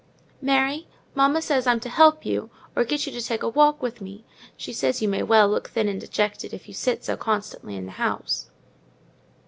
"Mary, mamma says I'm to help you; or get you to take a walk with me; she says you may well look thin and dejected, if you sit so constantly in the house."